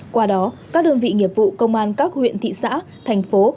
qua đó các đơn vị nghiệp vụ công an các huyện thị xã thành phố